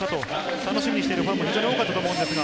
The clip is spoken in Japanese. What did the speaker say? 楽しみにしてるファンも多かったと思います。